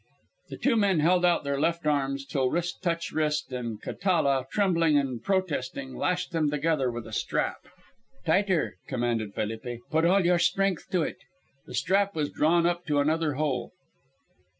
The two men held out their left arms till wrist touched wrist, and Catala, trembling and protesting, lashed them together with a strap. "Tighter," commanded Felipe; "put all your strength to it." The strap was drawn up to another hole.